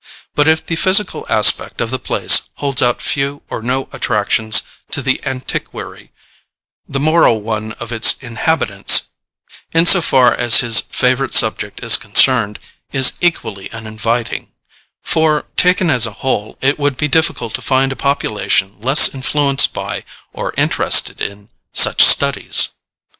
But if the physical aspect of the place holds out few or no attractions to the antiquary, the moral one of its inhabitants, in so far as his favourite subject is concerned, is equally uninviting; for, taken as a whole, it would be difficult to find a population less influenced by, or interested in, such studies.